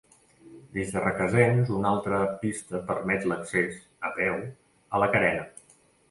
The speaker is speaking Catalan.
Des de Requesens una altra pista permet l'accés, a peu, a la carena.